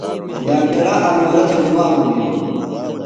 ڈاکٹرہ انورہ تھےۡ گُبا منِیتوۡ؟